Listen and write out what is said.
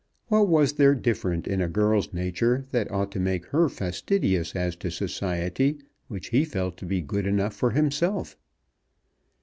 What was there different in a girl's nature that ought to make her fastidious as to society which he felt to be good enough for himself?